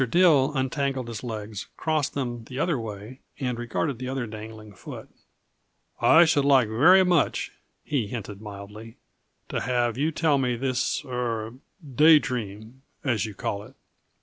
Dill untangled his legs, crossed them the other way and regarded the other dangling foot. "I should like very much," he hinted mildly, "to have you tell me this er day dream, as you call it."